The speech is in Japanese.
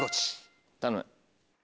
頼む。